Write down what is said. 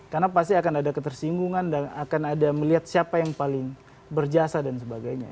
karena pasti akan ada ketersinggungan dan akan ada melihat siapa yang paling berjasa dan sebagainya